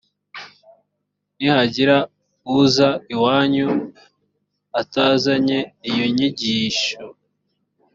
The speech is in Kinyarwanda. nihagira uza iwanyu atazanye iyo nyigisho